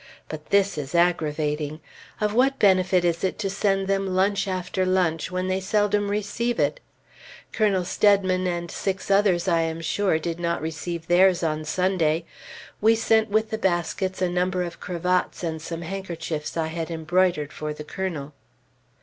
But this is aggravating. Of what benefit is it to send them lunch after lunch, when they seldom receive it? Colonel Steadman and six others, I am sure, did not receive theirs on Sunday. We sent with the baskets a number of cravats and some handkerchiefs I had embroidered for the Colonel.